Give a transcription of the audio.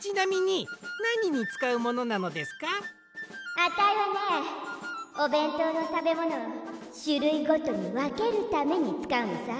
あたいはねおべんとうのたべものをしゅるいごとにわけるためにつかうのさ。